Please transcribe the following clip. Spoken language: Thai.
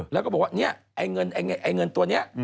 แล้วก็บอกว่าเนี่ยเงินตัวนี้